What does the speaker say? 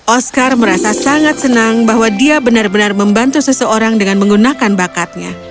oscar merasa sangat senang bahwa dia benar benar membantu seseorang dengan menggunakan bakatnya